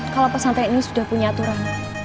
kalau pesantren ini sudah punya aturan